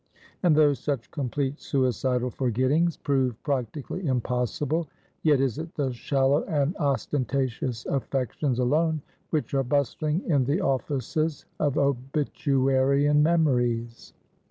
And though such complete suicidal forgettings prove practically impossible, yet is it the shallow and ostentatious affections alone which are bustling in the offices of obituarian memories.